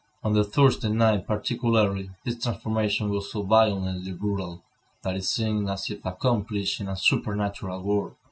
On the Thursday night, particularly, this transformation was so violently brutal, that it seemed as if accomplished in a supernatural world.